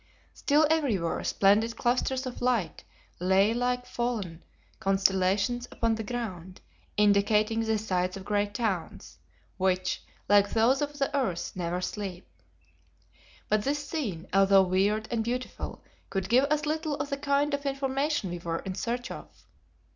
Still everywhere splendid clusters of light lay like fallen constellations upon the ground, indicating the sites of great towns, which, like those of the earth, never sleep. But this scene, although weird and beautiful, could give us little of the kind of information we were in search of.